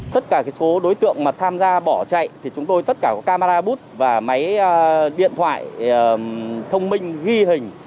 tất cả đối tượng tham gia bỏ chạy chúng tôi có camera bút và máy điện thoại thông minh ghi hình